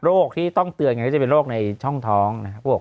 ที่ต้องเตือนกันก็จะเป็นโรคในช่องท้องนะครับ